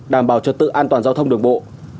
đảm bảo trật tự an toàn giao thông đường bộ